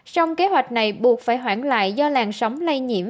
sông kế hoạch này buộc phải hoãn lại do làn sóng lây nhiễm